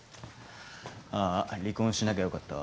ああ離婚しなきゃよかったわ。